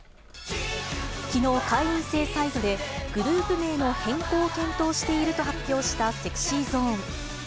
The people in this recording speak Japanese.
きのう、会員制サイトでグループ名の変更を検討していると発表したＳｅｘｙＺｏｎｅ。